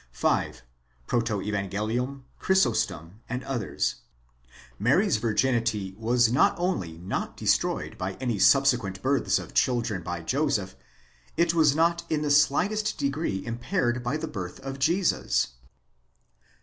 5. Protevang., Chrysostom and others: Mary's virginity was not only not destroyed by any subsequent births of children by Joseph, it was not in the slightest degree impaired by the birth of Jesus.